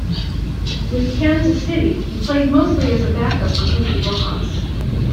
With Kansas City, he played mostly as a backup for Cookie Rojas.